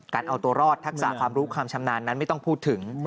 การเอาตัวรอดทักษะความรู้ความชำนาญนั้นไม่ต้องพูดถึง